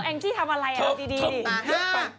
เออแองกี้ทำอะไรเอาดีดิเอา๕